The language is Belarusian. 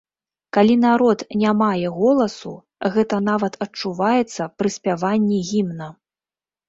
Калі народ не мае голасу, гэта нават адчуваецца пры спяванні гімна.